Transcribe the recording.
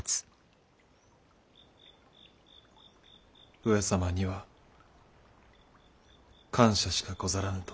上様には感謝しかござらぬと。